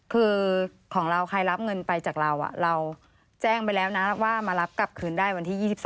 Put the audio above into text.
คือของเราใครรับเงินไปจากเราเราแจ้งไปแล้วนะว่ามารับกลับคืนได้วันที่๒๒